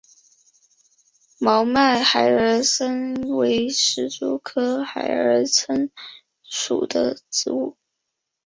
毛脉孩儿参为石竹科孩儿参属的植物。